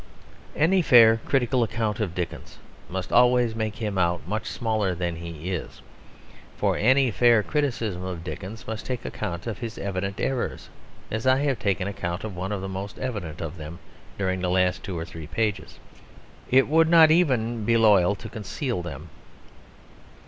Any fair critical account of Dickens must always make him out much smaller than he is. For any fair criticism of Dickens must take account of his evident errors, as I have taken account of one of the most evident of them during the last two or three pages. It would not even be loyal to conceal them.